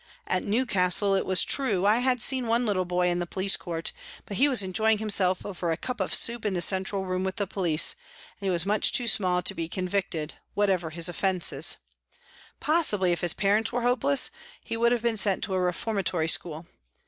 At Newcastle, it was true, I had seen one little boy in the police court, but he was enjoying himself over a cup of soup in the central room with the police, and he was much too small to be con victed, whatever his offences ; possibly, if his parents were hopeless, he would have been sent to a reformatory school.